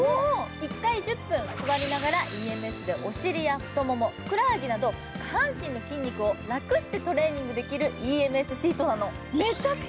１回１０分、座りながらＥＭＳでお尻や太もも、ふくらはぎなど下半身の筋肉を楽してトレーニングできるＥＭＳシートなの。